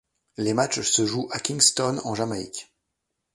Les matchs se jouent à Kingston en Jamaïque.